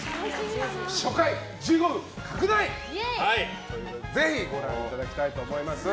初回１５分拡大！ということでぜひご覧になっていただきたいと思います。